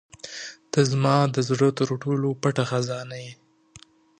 • ته زما د زړه تر ټولو پټه خزانه یې.